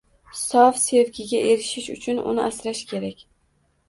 Sof sevgiga erishish uchun uni asrash kerak.